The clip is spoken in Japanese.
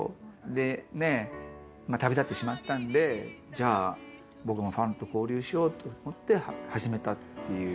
でねえまあ旅立ってしまったんでじゃあ僕もファンと交流しようと思って始めたっていう。